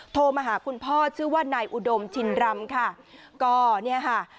โทรมาหาคุณพ่อชื่อว่านายอุดมชินรำค่ะก็เนี่ยค่ะ